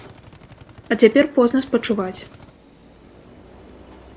А цяпер позна спачуваць.